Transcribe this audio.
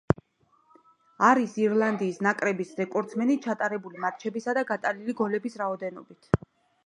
არის ირლანდიის ნაკრების რეკორდსმენი ჩატარებული მატჩებისა და გატანილი გოლების რაოდენობით.